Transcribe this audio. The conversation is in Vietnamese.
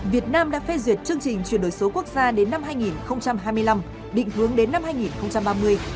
việt nam đã phê duyệt chương trình chuyển đổi số quốc gia đến năm hai nghìn hai mươi năm định hướng đến năm hai nghìn ba mươi